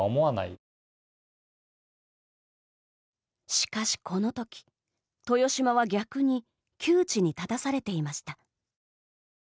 しかしこのとき、豊島は逆に窮地に立たされていました。